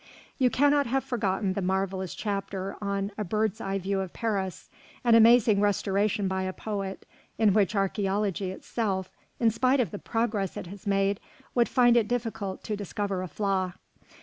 You cannot have forgotten the marvellous chapter on "A Bird's eye view of Paris," an amazing restoration by a poet, in which archæology itself, in spite of the progress it has made, would find it difficult to discover a flaw.